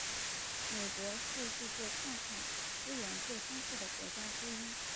美国是世界矿产资源最丰富的国家之一。